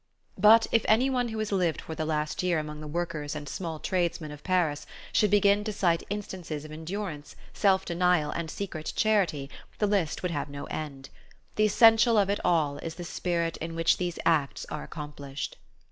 But if any one who has lived for the last year among the workers and small tradesmen of Paris should begin to cite instances of endurance, self denial and secret charity, the list would have no end. The essential of it all is the spirit in which these acts are accomplished.